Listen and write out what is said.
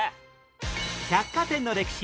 百貨店の歴史